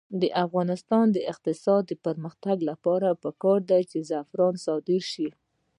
د افغانستان د اقتصادي پرمختګ لپاره پکار ده چې زعفران صادر شي.